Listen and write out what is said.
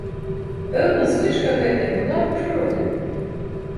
Пэўна, звычка гэтая была ад прыроды.